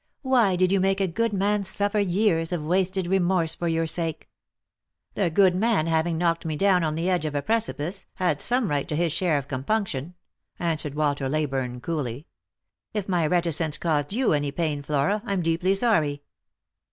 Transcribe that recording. " Why did you make a good man suffer years of wasted remorse for your sake ?"" The good man, having knocked me down on the edge of a precipice, had some right to his share of compunction," an swered Walter Leyburne, coolly. " If my reticence caused you any pain, Flora, I am deeply sorry."